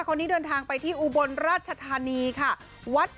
คนนี้เดินทางไปที่อุบลราชธานีค่ะ